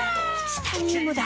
チタニウムだ！